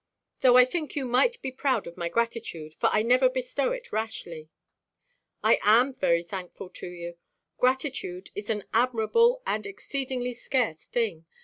Though I think you might be proud of my gratitude; for I never bestow it rashly." "I am very thankful to you. Gratitude is an admirable and exceedingly scarce thing.